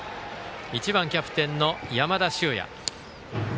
１番、キャプテンの山田脩也。